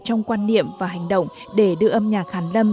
trong quan niệm và hành động để đưa âm nhạc hàn lâm